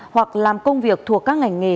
hoặc làm công việc thuộc các ngành nghề